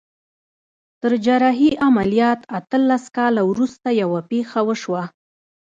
تر جراحي عمليات اتلس کاله وروسته يوه پېښه وشوه.